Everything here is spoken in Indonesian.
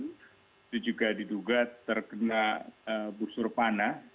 itu juga diduga terkena busur panah